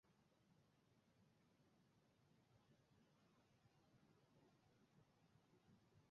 আবার, এটি কার্ল মে'র লেখা থেকে উদ্ভূত হয়নি।